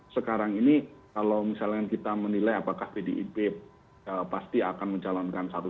sekarang ini kalau misalnya kita menilai apakah pdip pasti akan mencalonkan satu